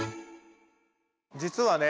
実はね